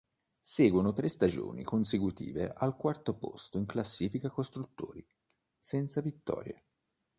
Seguono tre stagioni consecutive al quarto posto in classifica costruttori, senza vittorie.